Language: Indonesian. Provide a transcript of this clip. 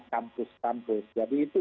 kampus kampus jadi itu